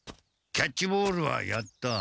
キャッチボールはやった。